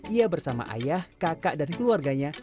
ia bersama ayah kakak dan keluarganya